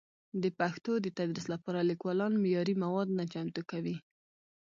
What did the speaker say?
د پښتو د تدریس لپاره لیکوالان معیاري مواد نه چمتو کوي.